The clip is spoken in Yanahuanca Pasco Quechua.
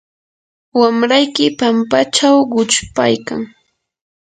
wamrayki pampachaw quchpaykan.